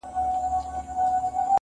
روح مي خبري وکړې روح مي په سندرو ويل,